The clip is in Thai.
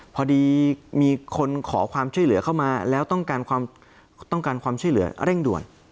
พอดีมีคนขอความช่วยเหลือเข้ามาแล้วต้องการความต้องการความช่วยเหลือเร่งด่วน